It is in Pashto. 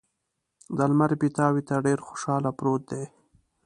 د لمر پیتاوي ته ډېر خوشحاله پروت دی.